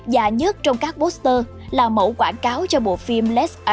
giả nhất trong các poster là mẫu quảng cáo cho bộ phim